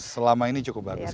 selama ini cukup bagus